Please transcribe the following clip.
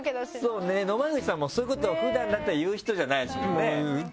そうね野間口さんもそういうことを普段だったら言う人じゃないですもんね。